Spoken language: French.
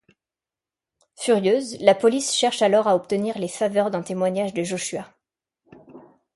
Furieuse, la police cherche alors à obtenir les faveurs d'un témoignage de Joshua.